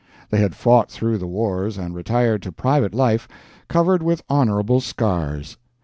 They had fought through the wars and retired to private life covered with honorable scars.